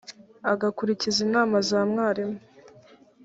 agakurikiza inama za mwarimu